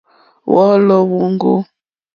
Wɔ̌lɔ̀ wóŋɡô.